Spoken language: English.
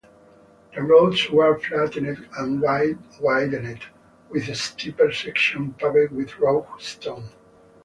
The roads were flattened and widened, with steeper sections paved with rough stone.